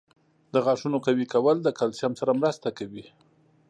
• د غاښونو قوي کول د کلسیم سره مرسته کوي.